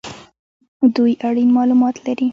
دوی اړین مالومات لري